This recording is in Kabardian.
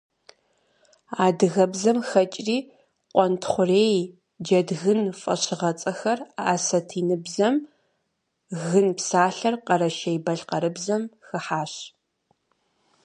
Адыгэбзэм хэкӀри «къуэнтхъурей», «джэдгын» фӀэщыгъэцӀэхэр асэтиныбзэм, «гын» псалъэр къэрэшей-балъкъэрыбзэм хыхьащ.